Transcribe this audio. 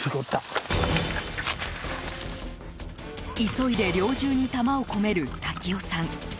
急いで猟銃に弾を込める瀧尾さん。